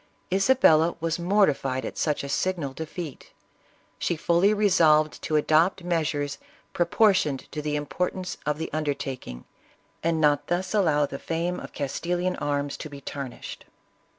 Isabella was mortified at such a signal defeat; she fully resolved to adopt measures proportioned to the importance of the undertaking, and not thus allow the fame of Castilian arms to be tarnished.